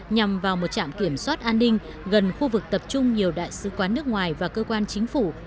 nhằm vào một trạm kiểm soát an ninh gần khu vực tập trung nhiều đại sứ quán nước ngoài và cơ quan chính phủ